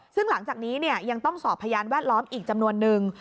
ซึ่งหลังจากนี้ยังต้องสอบพยานแวดล้อมอีกจำนวนนึง